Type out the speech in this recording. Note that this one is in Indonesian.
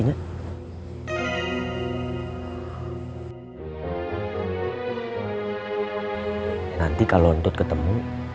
nanti kalau entut ketemu